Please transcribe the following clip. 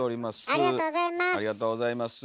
ありがとうございます。